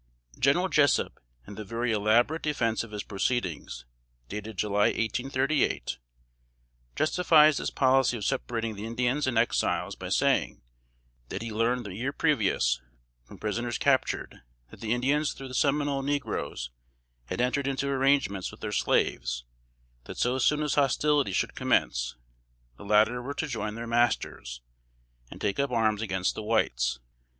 General Jessup, in the very elaborate defense of his proceedings, dated July, 1838, justifies this policy of separating the Indians and Exiles by saying, that he learned the year previous, from prisoners captured, that the Indians through the Seminole negroes had entered into arrangements with their slaves that so soon as hostilities should commence, the latter were to join their masters, and take up arms against the whites.